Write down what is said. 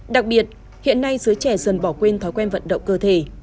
đặc biệt hiện nay giới trẻ dần bỏ quên thói quen vận động cơ thể